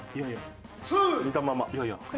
見たまま。